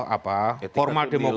apa formal demokrasinya